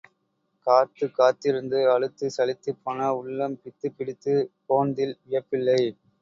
காத்துக் காத்திருந்து, அலுத்துச் சலித்துப்போன உள்ளம் பித்துப் பிடித்துப் போன்தில் வியப்பில்லை.